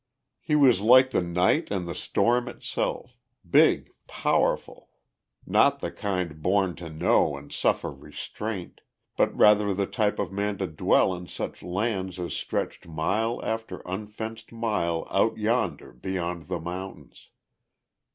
He was like the night and the storm itself, big, powerful, not the kind born to know and suffer restraint; but rather the type of man to dwell in such lands as stretched mile after unfenced mile "out yonder" beyond the mountains.